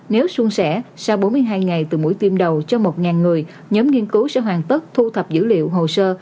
nếu xuân sẻ sau bốn mươi hai ngày từ mũi tiêm đầu cho một người nhóm nghiên cứu sẽ hoàn tất thu thập dữ liệu hồ sơ